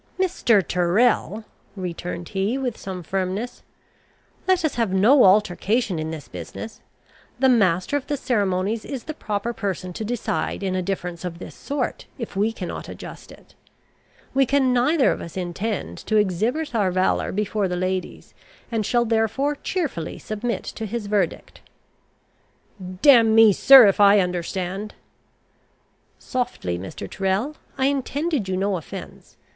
"Mr. Tyrrel!" returned he, with some firmness, "let us have no altercation in this business: the master of the ceremonies is the proper person to decide in a difference of this sort, if we cannot adjust it: we can neither of us intend to exhibit our valour before the ladies, and shall therefore cheerfully submit to his verdict." "Damn me, sir, if I understand " "Softly, Mr. Tyrrel; I intended you no offence.